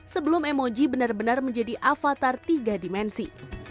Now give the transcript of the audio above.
sebelum emoji benar benar menjadi avatar tiga dimensi